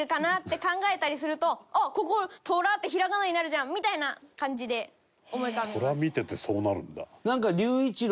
ここ「とら」ってひらがなになるじゃんみたいな感じで思い浮かびます。